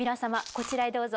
こちらへどうぞ。